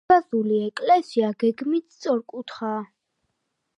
დარბაზული ეკლესია გეგმით სწორკუთხაა.